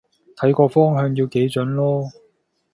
睇個方向要幾準囉